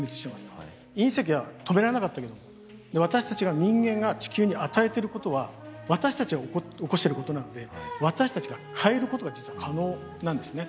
隕石は止められなかったけど私たちが人間が地球に与えてることは私たちが起こしてることなので私たちが変えることが実は可能なんですね。